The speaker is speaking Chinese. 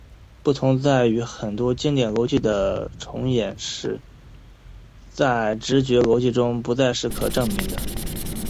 不同在于很多经典逻辑的重言式在直觉逻辑中不再是可证明的。